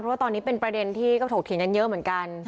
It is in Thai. เพราะว่าตอนนี้เป็นประเด็นที่ก็ถกเถียงกันเยอะเหมือนกัน